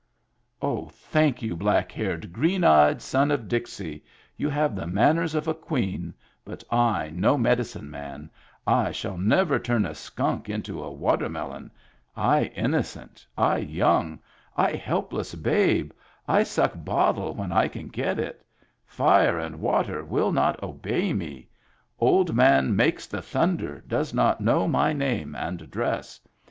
Oh, thank you, black haired, green eyed son of Dixie, you have the manners of a queen, but I no medicine man, I shall never turn a skunk into a watermelon, I innocent, I young, I helpless babe, I suck bottle when I can get it Fire and water will not obey me. Old man Makes the Thunder does not know my name and address.